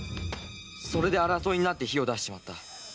それで争いになって火を出しちまった。